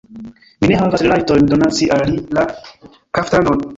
Mi ne havas la rajton donaci al li la kaftanon!